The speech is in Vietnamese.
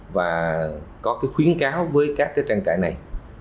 và có khuyến cáo với các trang trại này